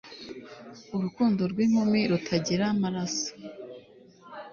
urukundo rw'inkumi rutagira amaraso